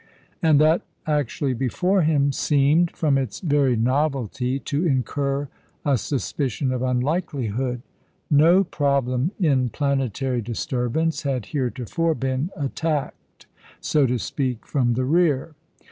And that actually before him seemed, from its very novelty, to incur a suspicion of unlikelihood. No problem in planetary disturbance had heretofore been attacked, so to speak, from the rear.